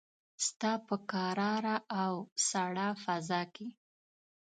ستا په کراره او ساړه فضاکې